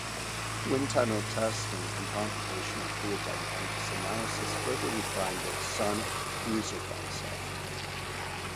Wind tunnel testing and computational fluid dynamics analysis further refined the Sonic Cruiser concept.